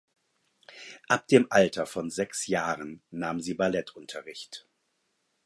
Ab dem Alter von sechs Jahren nahm sie Ballettunterricht.